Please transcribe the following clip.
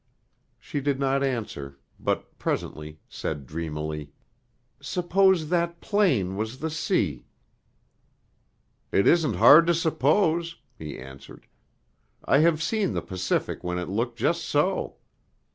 She did not answer, but presently said dreamily, "Suppose that plain was the sea." "It isn't hard to suppose," he answered. "I have seen the Pacific when it looked just so."